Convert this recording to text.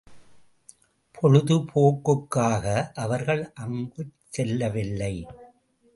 பொழுது போக்குக்காக அவர்கள் அங்குச் செல்லவில்லை.